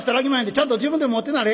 ちゃんと自分で持ってなはれ」。